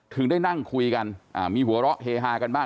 ได้นั่งคุยกันมีหัวเราะเฮฮากันบ้าง